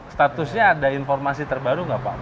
statusnya ada informasi terbaru nggak pak